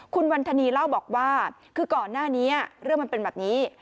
คุณวันธนีเล่าบอกว่าคือก่อนหน้านี้เรื่องมันเป็นแบบนี้